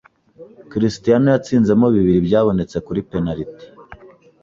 Cristiano yatsinzemo bibiri byabonetse kuri penaliti,